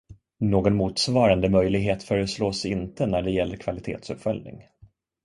Någon motsvarande möjlighet föreslås inte när det gäller kvalitetsuppföljning.